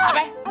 apa salah saya